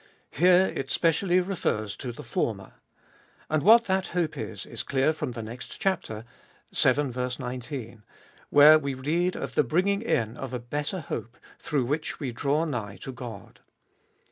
Here it specially refers to the former. And what that hope is, is clear from the next chapter (vii. 19), where we read of the bringing in of a better hope, through which we draw nigh to God.